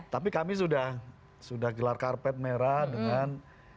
tapi kami sudah gelar karpet merah dengan